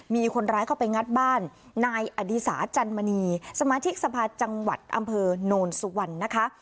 มีคนร้ายเข้าไปงัดบ้านนอจมณีสมาธิสภาษณ์จังหวัดอนสุวรรณนะคะ